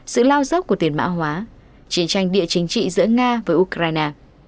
sự lao dốc của tiền mã hóa chiến tranh địa chính trị giữa nga với ukraine